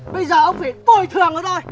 bây giờ ông phải tồi thường nó thôi